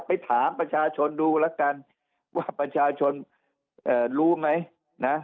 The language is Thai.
ไปถามประชาชนดูแล้วกันว่าประชาชนรู้ไหมนะ